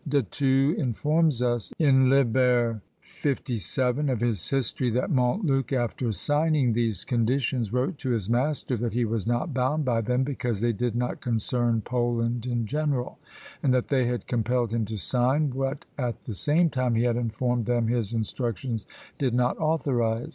De Thou informs us, in lib. lvii. of his history, that Montluc after signing these conditions wrote to his master, that he was not bound by them, because they did not concern Poland in general, and that they had compelled him to sign, what at the same time he had informed them his instructions did not authorise.